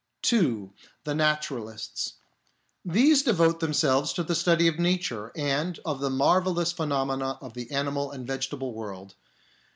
(2) The Naturalists. These devote themselves to the study of nature and of the marvellous phenomena of the animal and vegetable world.